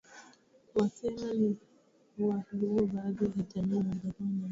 wasema ni wa luoBaadhi ya jamii ya Wajaluo wanaoaminika kwamba walikuwa Wabantu na